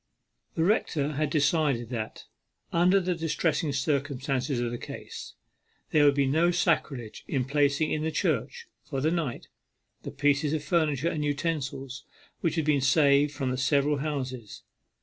The rector had decided that, under the distressing circumstances of the case, there would be no sacrilege in placing in the church, for the night, the pieces of furniture and utensils which had been saved from the several houses.